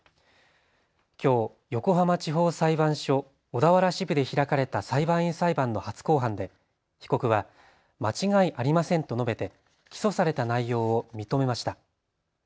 きょう横浜地方裁判所小田原支部で開かれた裁判員裁判の初公判で被告は間違いありませんと述べて起訴された内容を認めました。